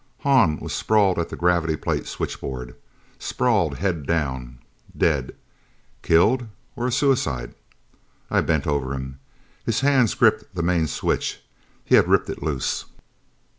Hahn was sprawled at the gravity plate switchboard. Sprawled, head down. Dead. Killed? Or a suicide? I bent over him. His hands gripped the main switch. He had ripped it loose.